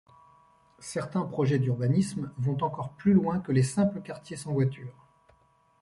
Certains projets d'urbanisme vont encore plus loin que les simples quartiers sans voiture.